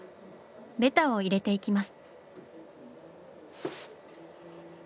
ベタを入れていきます。